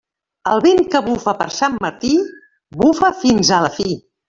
El vent que bufa per Sant Martí, bufa fins a la fi.